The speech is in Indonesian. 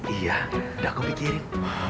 iya tidak aku pikirin